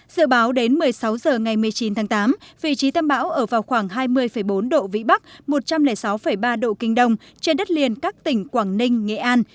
dự báo đến một mươi sáu h ngày một mươi chín tháng tám vị trí tâm bão ở vào khoảng hai mươi bốn độ vĩ bắc một trăm linh sáu ba độ kinh đông trên đất liền các tỉnh quảng ninh nghệ an